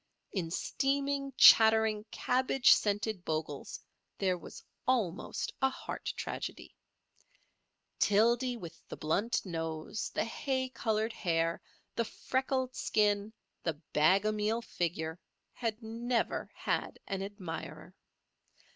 In steaming, chattering, cabbage scented Bogle's there was almost a heart tragedy. Tildy with the blunt nose, the hay coloured hair, the freckled skin, the bag o' meal figure, had never had an admirer.